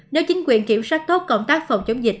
nếu chính quyền kiểm soát tốt công tác phòng chống dịch